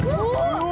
うわ！